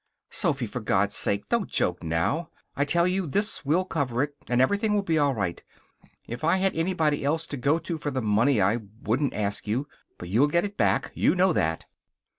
"Sophy, for God's sake don't joke now. I tell you this will cover it, and everything will be all right. If I had anybody else to go to for the money I wouldn't ask you. But you'll get it back. You know that."